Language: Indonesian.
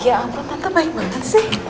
ya ampun tante baik banget sih